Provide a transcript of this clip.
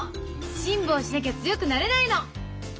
辛抱しなきゃ強くなれないの。